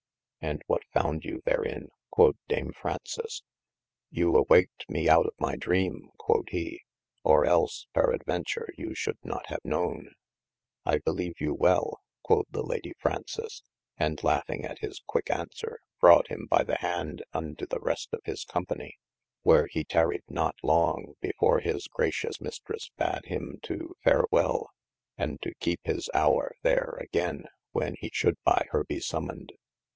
And what found you therin (quod Dame Frounces) ? you awaked me out of my dreame (quod he) or ells peradventure you should not have knowen. I beleeve you well (quod the lady Fraunces) and laughing at his quicke aunswere brought him by the hande unto the rest of his company : where he taryed not long before his gracious Mystresse badde him to farewel, and to keepe his houre there againe when he should by hir be sommoned.